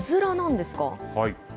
はい。